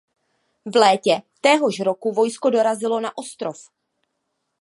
V létě téhož roku vojsko dorazilo na ostrov.